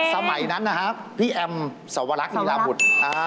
สมัยนั้นนะครับพี่แอมสวรรคลีลาบุตร